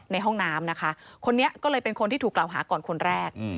ในห้องน้ำนะคะคนนี้ก็เลยเป็นคนที่ถูกกล่าวหาก่อนคนแรก